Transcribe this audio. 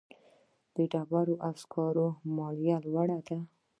د ډبرو سکرو مالیه لوړه ده